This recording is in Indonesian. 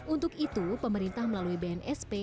untuk itu pemerintah melalui bnsp